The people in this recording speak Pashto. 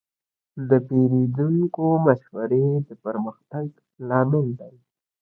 د پیرودونکو مشورې د پرمختګ لامل دي.